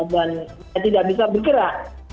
dan tidak bisa bergerak